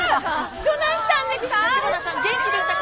どないしたんでっか？